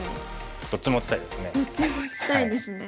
どっちも打ちたいですね。